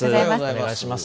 お願いします。